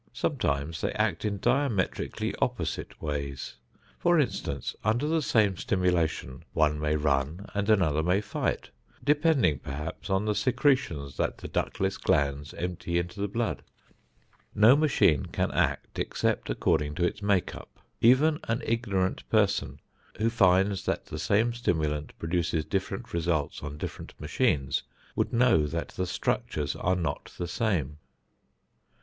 Sometimes they act in diametrically opposite ways. For instance, under the same stimulation, one may run and another may fight, depending perhaps on the secretions that the ductless glands empty into the blood. No machine can act except according to its make up. Even an ignorant person, who finds that the same stimulant produces different results on different machines, would know that the structures are not the same.